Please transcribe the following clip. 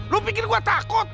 lu pikir gua takut